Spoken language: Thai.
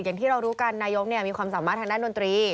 อย่างที่เรารู้กันนายกมีความสามารถทางด้านดนตรี